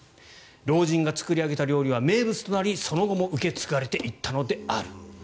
老人が作り上げた料理は名物となりその後も受け継がれていったのである。